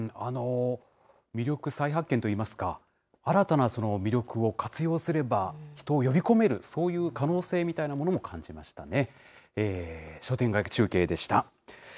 きょうは北九州市から中継でお伝魅力再発見といいますか、新たな魅力を活用すれば、人を呼び込める、そういう可能性みたいなものも感じましたね。